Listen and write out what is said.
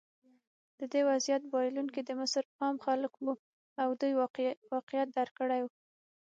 د دې وضعیت بایلونکي د مصر عام خلک وو او دوی واقعیت درک کړی.